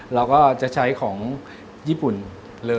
เราก็จะใช้ของญี่ปุ่นเลย